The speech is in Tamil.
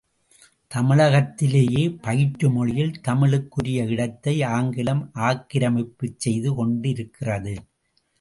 தமிழகத்திலேயே பயிற்று மொழியில் தமிழுக்குரிய இடத்தை ஆங்கிலம் ஆக்கிரமிப்புச் செய்து கொண்டிருக்கிறது.